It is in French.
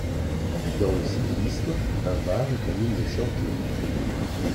Dans le sikhisme, un var est un hymne chanté.